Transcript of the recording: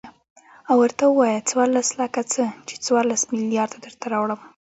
او ورته ووايه څورلس لکه څه ،چې څورلس ملېارده درته راوړم.